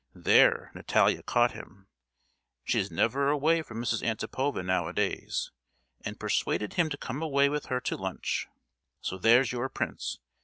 There Natalia caught him—she is never away from Mrs. Antipova nowadays,—and persuaded him to come away with her to lunch. So there's your prince!